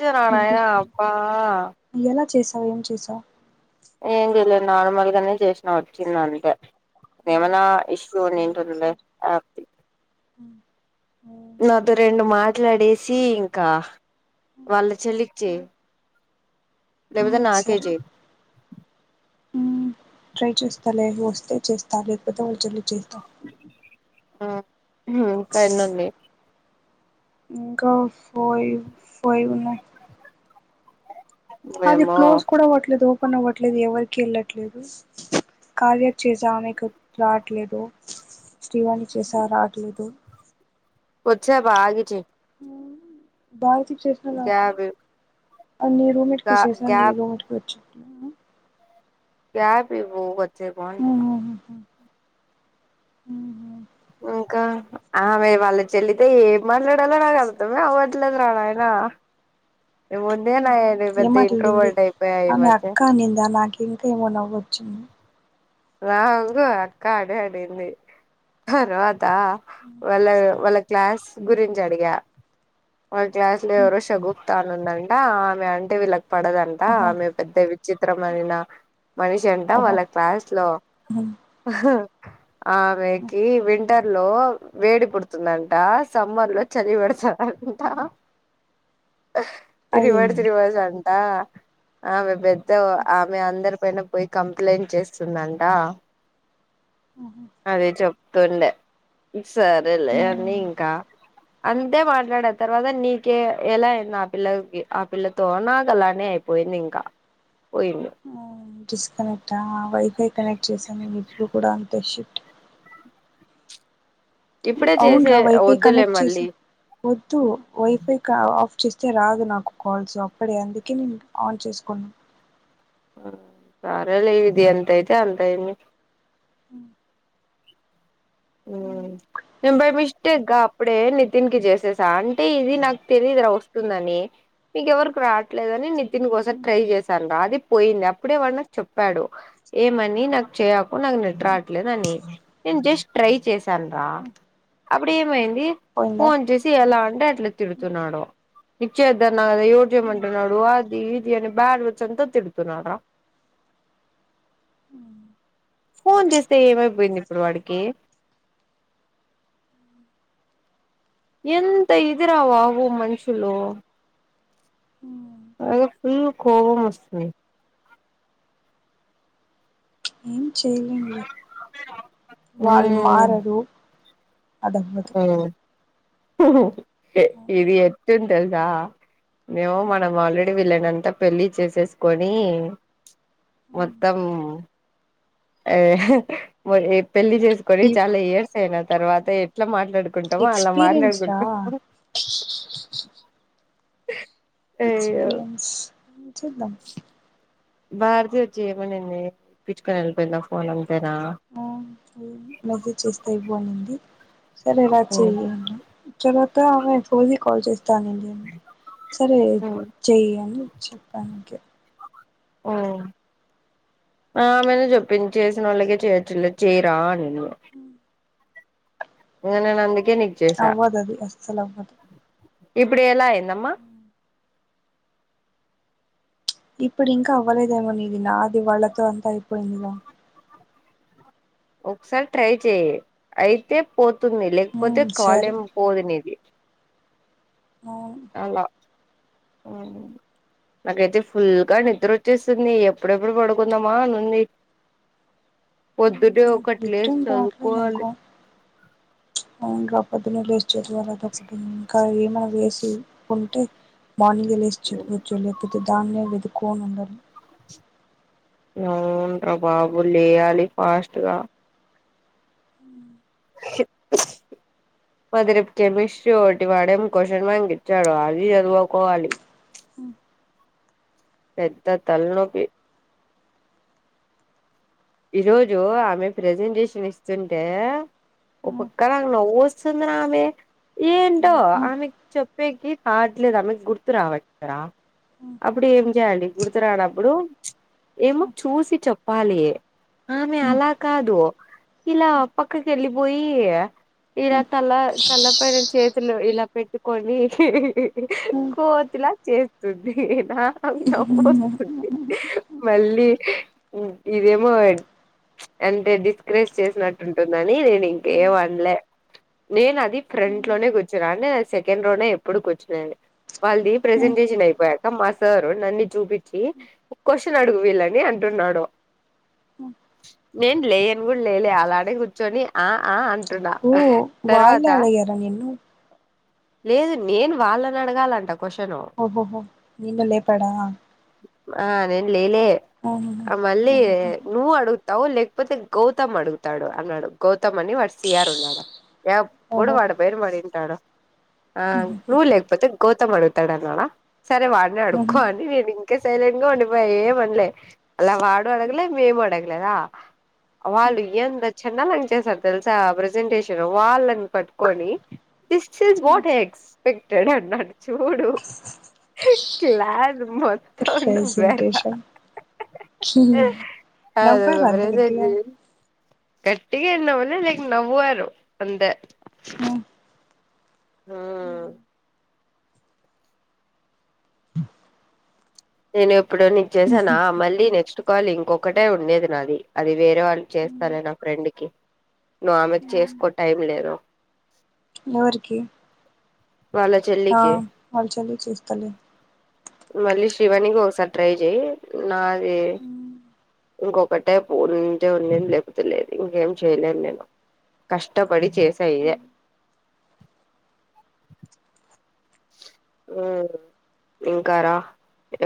ఇచ్చినా నాయనా అబ్బా ఎలా చేశావు ఏం చేసావు నార్మల్గానే చేసినా వచ్చింది అంతే ఆహా. ఏమన్న ఇష్యూ సరే ఉన్నింటుంది లే సరే ఆప్తి ఉమ్, ఉమ్, నాతో రెండు మాట్లాడేసి ఇంకా వాళ్ళ చెల్లికి చెయి ఉమ్, లేేవితే ఉమ్, సరే నాకేజీ ఉమ్, ట్రై చేస్తా లేో వస్తే చేస్తా లేకపోతే వాళ చల్లి చేస్తా ఆ ఉమ్ పైనుంది ఇంకా వాయు ఫైవ్ ఉన్నాయి. అది ఏమో క్లోజ్ కూడా అవ్వట్లేదు ఓపెన్ అవ్వట్లేదు ఎవరికి ఏళ్ళట్లేదు. కావ్య కి చేసా ఆమెకు రావట్లేదు శ్రీ వాణి చేసా రాట్లేదు. వచ్చవాగి చెయ్ భారతికి చేసిన రావట్లే గ్యాప్ అన్ని రుమిట్కి గా చేేసా గ్యాప్ నీరుమిట్కి వచింటుందా గ్యాప్ ఇవ్వు వచ్చేకొంటున్న ఉమ్ హు ఉమ్ ఇంకా ఆమె వాళ్ళ చెల్లితో ఏం మాట్లాడాలో నాకు అర్థమే అవ్వట్లేదు రా నాయనా ఇ ఒడ్డెనాయెర్రి ఏం పెద్ద ఇంట్లో మాట్లాడింది ఒడ్డె అయిపాయె ఆమె ఈమధ్య అక్క అనిందా నాకు ఇంకా ఏమో నవ్వొచ్చింది రాంగ అక్క ఆడి ఆడింది తర్వాత ఆ వాళ్ళ వాళ్ళ క్లాస్ గురించి అడిగా వాళ్ళ క్లాస్ లో ఎవరో షగుప్తా అని ఉందంట ఆమె అంటే వీళ్ళకి పడదంట ఆహా ఆమె పెద్ద విచిత్రమైన మనిషి అంటా ఓహో వాళ్ళ క్లాస్ లో ఆమెకి వింటర్ లో వేడి పుడుతుందంట సమ్మల్లో చలి పెడతాదంట రివర్ అయ్యయ్య రివర్స్ అంటా ఆమె పెద్ద ఆమె అందరు పైన పోయి కంప్లైంట్ చేస్తుందంట అదే చె ప్తుండే సరేలే ఇంకా అంతే మాట్లాడే తర్వాత నీకే ఎలా అయింది ఆ పిల్లకి ఆ పిల్లతో నాకు అలానే అయిపో పోయింది ఇంకా పోయింది ఉమ్ డిస్కౌనెక్టా వైఫై కనెక్ట్ చేసాను న ఇప్పుడు కూడా అంతే షిఫ్ట్ ఇప్పుడే చేసే అవునురా వైఫై వద్దులే కనెక్ట్ చేసి మళ్ళీ వద్దు వైఫై కా చిస్తే రాదు నాకు కాల్స్ అప్పుడే అందుకే నేను ఆన్ చేసుకున్నా సరేలే ఇది ఎంత అయితే అంత అయింది. నేను బై మిస్టేక్గా అప్పుడే నితిన్ కి చేసేసా అంటే ఇది నాకు తెలీదు వస్తుందని మీకు ఎవరికి రావట్లేదని నితిన్ కోసం ట్రై చేసాను రా అది పోయింది అప్పుడే వాడు నాకు చెప్పాడు ఏమని నాకు చేయకు నాకు నెట్ రావట్లేదని నేను జస్ట్ ట్రై చేసాన్ రా అప్పుడే ఏమైంది ది పోయిందా ఫోన్ చేసి ఎలా అంటే అట్లా తిడుతున్నాడు లిఫ్ట్ చేయెద్దు. ఎవరు చేయమంటున్నాడు అది ఇది అని బ్యాడ్ వర్డ్స్ అంతా తిడుతున్నారా ఫోన్ చేస్తే ఏమైపోయింది ఇప్పుడు వాడికి ఎంత ఇది రా బాబు మనుషులు అదే ఫుల్ కోబం వస్తుంది ఏం చేయలేంలే వాళ్ళు మ్మ్ మారడు అడగకపోతే మ్మ్ ఇది ఎతింది తెల్సా మేమో మనం ఆల్రెడీ వీళ్ళనంతా పెళ్లిి చేసేసుకొని మొత్తం అ ఆ ఏ పెళ్లి చేసుకొని ఈ చాలా ఇయర్స్ అయిన తర్వాత ఎట్లా మాట్ ట్లాడుకుంటామొ అలా ఎక్స్పీరియన్స్ రా మాట్లాడుకుంటం ఎక్స్పీరియన్స్ చూద్దాం భారత వచ్చి ఏమనింది పిచ్చుకొని వెళ్ళిపోయిందా ఫోన్ అం ఆ మెసేజ్ చేస్తా ఇవ్వు అనింది సరే రా చేయ్ తరువాత అమే సోనీ కాల్ చేస్ తానండి సరే చెయ్ అని చెప్పాంకే ఆ ఆమెను చెొప్పిింది చేసిన వాళ్ళకిే చేయొచ్చులే చేయ్ రా అనింది ఎనే నంది కే నీకు చేసా అవ్వదు అది అస్సలు అవ్వదు ఇప్పుడు ఎలా అయిందమ్మా ఇప్పుడు ఇంకా అవ్వలేదేమో నీది నాది వాళ్లతో అంతా అయిపోయిందిగ ఒకసారి ట్రై చెయ్ అయితే పో తుంది లేకపోతే కాల్ సరే ఎం పోదు నిది ఆ ఆ నాకైతే ఫుల్గా నిద్ర వచ్చేసింది ఎప్పుడెప్పుడు పడుకుందామా అ నుంది పొద్దున్నే ఒకటి లేసి ఇద్దరం రావట్లేదు చదువుకోవాలి అనుకో పోద్దున చానా కష్టం ఇంకా ఏమనా వేసి ఉంటే మార్నింగే లేసి చదవచ్చు లేకపోతే దాన్నే వెతుక్కోని ఉండలి అవును రా బాబు లేయాలి ఫాస్ట్గా మాది రేప్ కెమిస్ట్రీ ఒకటి వాడేంకోషన్ బ్యాంకు ఇచ్చాడు అది చదువుకోవాలి పెద్ద తలనొప్పి ఈరోోజు ఆమె ప్రజెంటేషన్ ఇస్తుంటే ఒపక్క నవ్వొస్తుంది నామీ ఏంటో ఎందుకు? ఆమెకి చెప్పేకి కార్ట్లేదు ఆమెకి గుర్తు రావట్ల అప్పుడు ఏం చేయాలి గుర్తురానప్పుడు ఏమో చూసి చెప్పాలి ఆమె అలా కాదు ఇలా పక్కకేళ్ళి పోయి ఇలా తల తల్లపైన చేతులు ఇలా పెట్టుకొని కోతి లా చేస్తుంది నాక్ అది నవ్వొస్తుంది మళ్ళీ హు ఇదే హు అంటే డిస్కరేజ్ చేసినట్టుంటుందని నేను ఇంక ఏమన్లే నేను అది ఫ్రంట్ లోనే కూర్చున్నా అంటే సెకండ్ లోనే ఎప్పుడు కూర్చునేది వాళ్ళది ప్రజెంటేషన్ అయిపోయాక మా సార్ నన్ను చూపించి క్వశ్చన్ అడుగు వీళ్ళని అంట్ న్నాడు నేన్ లేయన్ కూడా లేలే అలాడే కూర్చొని ఆ ఆ అ టున్న ఓ తర్వాత వాళ్ళే అడిగారా నిన్ను లేదు నేను వాళ్ళని అడగాలంట క్వశ్చను హోహో నిను లేపడా ఆ నెన్ లేలే ఆ మళ్ళి ఆహాహా. నువ్ అడుగు తవ్ లేెకపోతే గౌతమ్ అడుగుతాడు అన్నడు గౌత్ త్తం అని వాడు సిఆర్ ఉన్నాడు ఎప్పుడు ఓహో వాడు పెరిమై ఉంటాడు ఆ నువ్ లేకపోతే గౌతమ్ అడుగుతాడాన్నాడా సరే వాడినే అడుకో ఆహాహా. అని నేను ఇంక సైలెంట్ గా ఉండిపోయ ఏమనలే అలా వాడు అడగలే మేము అడగలేదా వాళ్ళు ఇయ్యంది వచ్చిందా మంచ్ చేసారు తెలుసా ప్రసెంటేషన్ వాళ్ళని పట్టుకొని దిస్ వాట్ ఎక్స్పెక్ట్ ట్టడు అన్నాడు చూడు కలాదు మ త వరా ప్రెజెంటేషన్ అద నవ్వారా అంత గట్టిగా గబరిసది కటిగా ఎన్నవన్నా లేలక్ నవ్ారు అంత ఆా నేను ఎప్పుడు నీను చేసానా మళ్ళీ నెక్స్ట్ కాల్ ఇంకొకటే ఉండేది నాది అది వేరే వాళ్ళు చే స్త నా ఫ్రెండ్ క నువ్ ఆమెకి చేసుకో టైం లేదు ఎవరికి వాళ్ళ ఆ చెల్లికి వాళ చలి చేస్తలే మళ్ళీ శ్రీవాణికి ఒకసారి ట్రై చెయయి నాది ఇంకొకటే ఫోన్ ఉంటే ఉనింది లేకపోతే లేదు ఇంకేం చేయలేను నేను కష్టపడి చేస ఇదే ఇంకాారా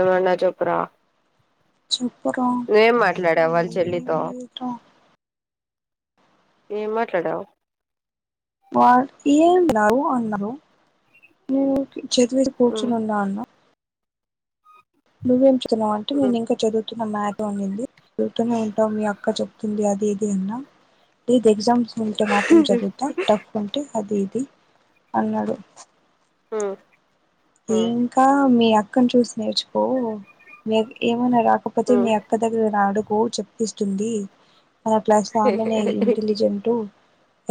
ఏమన్నా చప్పురా చూప్పు్రం లడవళ్ల్ చెల్లితో ఇ ఏ మాట్లాడావు వా ఏన్నారువు అన్నారు నను చెదువేది కూచునందా అన్నా నువ్వేంతున్నావు అంటే నేను ఇంకా చదువుతున్న మ్యాచ్ ంది చూతూనే ఉంటావు మీ అక్క చెప్తుంది అది ఇది అన్నా ది ఎగ్జామ్స్ ఉంటే మాత్రం చదువుతా టఫ్ ఉంటే అది ఇది అన్నాడు ఆ ఇంకా మీ అక్కను చూసి నేర్చుకో ఏమనా రాకపోతే మీ అక్క దగ్గర నాడుగు చెప్పిస్తుంది మన ప్లస్ ఆమెనే ఇంటెలిజెంట్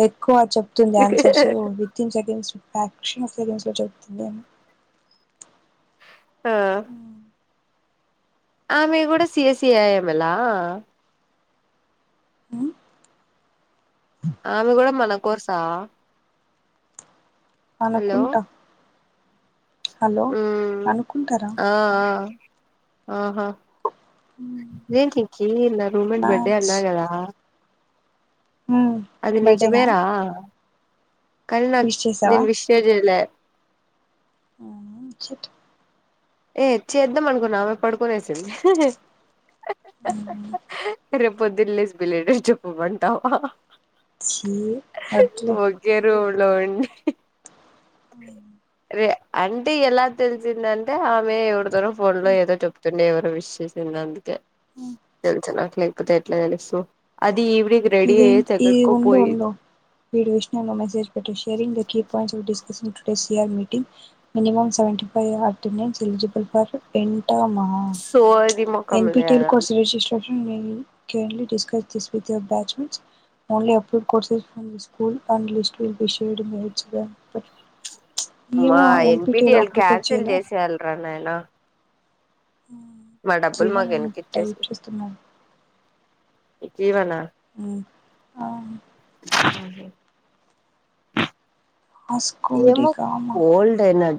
ఎక్కువ చెప్తుంది ఆన్సర్స్ విత్న్ సెకంక్షన్్ సెకంస్ లో చెప్తుంది ఆ ఆమె కూడా సిఎసీంలా అ ఆమె కూడా మన కోర్సా హలో అనుకుంటా హలో అనుకుంటారా ఆ ఆహా ఏ నక నా రూమ బర్డే మ్యాథ్స్ అన్నా కదా అది నిజ బర్త్డేనా బేరా కరుణ విష్ నన్ చేసావా విశజల షిట్ ఏ చేద్దాం అనుకున్న ఆమె పడుకొనే వసింది రేపు దిల్లీస్ బిలేడర్ చెూ బనతా అట్లే రూమ్ లో అండి ఉమ్, రే అంటే ఎలా తెలిసిందని అంటే ఆమె ఎవరితోార ఫోన్ లో ఉమ్, ఏదో చెప్తుండే ఎవరో విష చేసింది అందుకే ఉమ్. తెలిసిన తేట్ తెలు అ ఇే ఇది ఉంో ఉంో వీడియో విష్ణంలో మెసేజ్ పెట్టు sharing the key points ఆ్ dis are మ మీటింగ్ మినిమం సవెీ ఫైవ్ అటెండెన్స్ ఎలిజిబుల్ ఫర్ ఎన్ సోది మొఖం ఎన్పిటిల్ లేదు కోర్ రజస్ లీ డిస్కస్సి వి బ్యాచ్మె ఓన్లీ అప్ూ కోర్సస్ూల్ అడ్ స్ట్గా మా ఎన్పిటిఎల్ క్యాన్సిల్ చేయలే చేసేయలరా నాయనా మా డబ్బులు జీవన్ ఏమో మగనుకి టైప్ చేస్తున్నాడు ఇచ్చేసికివనా ఆ ఆ ఏమ స్కూడి కామా కోల్డ్ ఎనా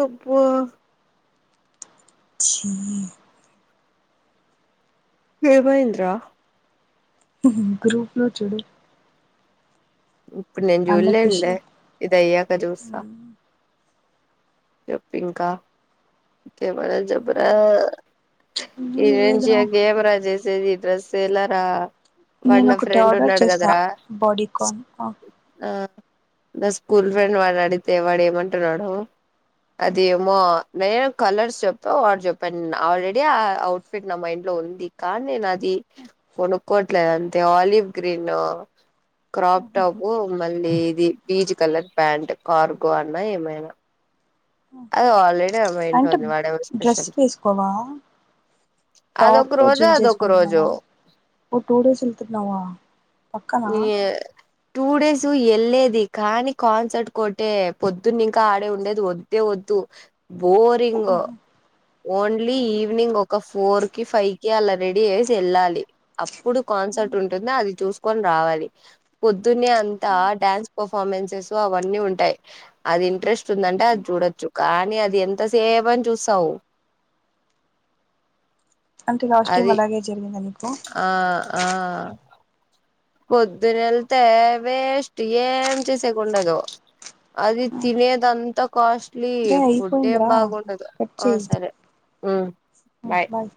అబ్బ అ [inaudible] ఏ మైంద్ర గ్రూపులో చదు ఇప్పుడు నేను చూడలేనులే అన్అఫీషియల్ ఇదయ్యాక చూస్తా చెప్పింక ఇంకా ఏముంది చెప్పురా. ఈగ ఏం చేయ కు ఎమ్రారా చేస్ సది డ్రెస్ సేలరా వాడు నేను నా ఒకటి ఫ్రెండ్ ఆర్డర్ ఉన్నాడు కదా చేసా రా బాడీకాన్ నా స్కూల్ ఫ్రెండ్ వాడు అడిగితే వాడు ఏమంటున్నాడు అది ఏమో నేను కలర్స్ చెప్పా వాడు చెప్పాను నేను ఆల్రెడీ ఆ అఔట్ఫిట్ నా మైండ్ లో ఉంది కానీ నేను అది కొనుక్కోట్లేదు అంతే ఆలివ్ గ్రీన్ క్రాప్ టాప్ మళ్ళీ ఇది పీచ్ కలర్ ప్యాంట్ కార్గో అన్నా ఏమైనా అది ఆల్రెడీ ఆమె ఇంట్లో అంటే ఉంది వాడేమో డ్రెస్ స్పెషల్ వేసుకోవా అదొక టాప్ రోజు జీన్స్ అదొక రోజు వేసుకుంటున్నావా టూ డేస్ వరకు ఉంటున్నావ్ న్నావా పక్కనా ఈ టూ డేస్ వెళ్ళలేది కానీ కాన్సర్ట్ కోటే పొద్దున్న ఇంకా ఆడే ఉండేది వద్ వద్దు బోరింగ్ ఓన్లీ ఈవినింగ్ ఒక ఫోర్ కి ఫైవ్ కి అలా రెడీ అయేసి వెళ్ళాలి అప్పుడు కాన్సర్ట్ ఉంటుందో అది చూసి ని రావాలి పొద్దున్న అంతా డ్యాన్స్ పర్ఫార్మెన్సెస్ అవన్నీ ఉంటాయి అ అది ఇంట్రెస్ట్ ఉందంటే అది చూడొచ్చు కానీ అది ఎంత సేపూ అని చూస్తావు అంటే లాస్ట్ టైమ్ అలాగే జరిగిందని ఆహ్ ఆహ్ పొద్దునెలతే వేస్ట్ ఏం చేసేకుండదు అది తినయద అంత కాస్ట్ లీ రే ఫుడ్ ఏం అయిపోయిందిరా బాగుండదు కట్ ఆ చేయి సరే బాయ్